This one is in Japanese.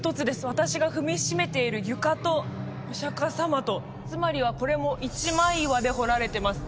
私が踏み締めている床とおしゃか様とつまりはこれも一枚岩で彫られてます